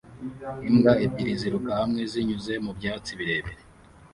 Imbwa ebyiri ziruka hamwe zinyuze mu byatsi birebire